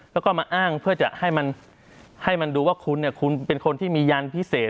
แล้วก็มาอ้างเพื่อจะให้มันให้มันดูว่าคุณคุณเป็นคนที่มียันพิเศษ